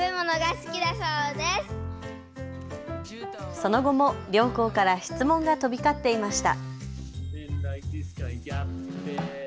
その後も両校から質問が飛び交っていました。